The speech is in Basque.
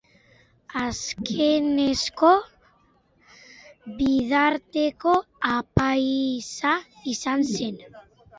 Azkenekoz, Bidarteko apaiza izan zen.